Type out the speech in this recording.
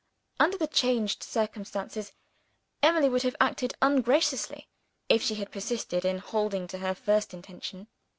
Under the changed circumstances, Emily would have acted ungraciously if she had persisted in holding to her first intention.